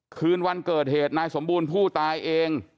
คืนวันเกิดเหตุนายสมบูรณ์ผู้ตายเอง